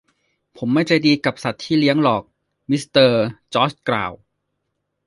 ผมไม่ใจดีกับสัตว์ที่เลี้ยงหรอก มิสเตอร์จอร์ชกล่าว